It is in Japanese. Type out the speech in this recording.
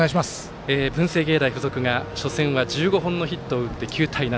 文星芸大付属が初戦は１５本のヒットを打って９対７。